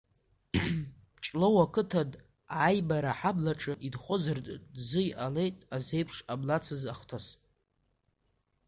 Ҷлоу ақыҭан, Аимара аҳаблаҿы инхоз рзы иҟалеит зеиԥш ҟамлацыз ахҭыс…